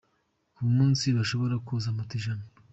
Ku munsi bashobora koza moto ijana.